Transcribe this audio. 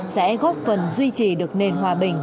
sẽ góp phần duy trì được nền hòa bình